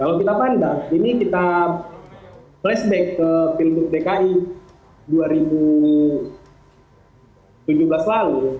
kalau kita pandang ini kita flashback ke pilgub dki dua ribu tujuh belas lalu